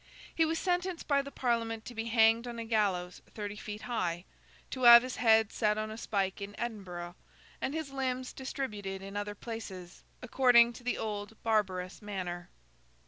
He was sentenced by the Parliament to be hanged on a gallows thirty feet high, to have his head set on a spike in Edinburgh, and his limbs distributed in other places, according to the old barbarous manner.